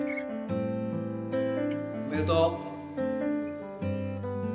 おめでとう。